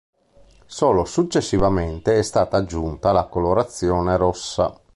Solo successivamente è stata aggiunta la colorazione rossa.